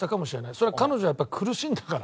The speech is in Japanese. それは彼女はやっぱ苦しんだから。